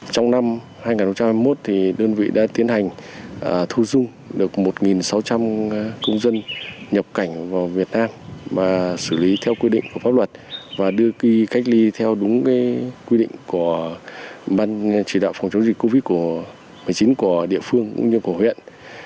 trong năm hai nghìn hai mươi một đơn vị đã tiến hành thu dung được một sáu trăm linh công dân nhập cảnh vào việt nam và xử lý theo quy định của pháp luật và đưa đi cách ly theo đúng quy định của ban chỉ đạo phòng chống dịch covid một mươi chín của địa phương cũng như của huyện